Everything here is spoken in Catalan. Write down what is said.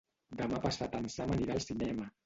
Demà passat en Sam anirà al cinema.